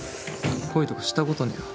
・恋とかしたことねぇわ。